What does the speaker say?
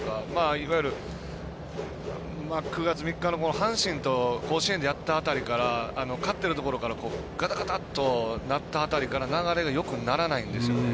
いわゆる、９月３日の阪神と甲子園でやった辺りから勝ってるところからがたがたとなった辺りから流れがよくならないんですよね。